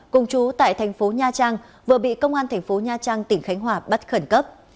cùng chú tại thành phố nha trang vừa bị công an thành phố nha trang tỉnh khánh hòa bắt khẩn cấp